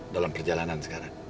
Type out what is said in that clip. dalam perjalanan sekarang